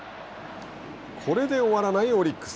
これで終わらないオリックス。